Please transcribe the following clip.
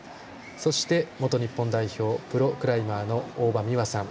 そして、元日本代表プロクライマーの大場美和さん。